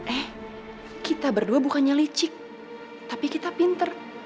eh kita berdua bukannya licik tapi kita pinter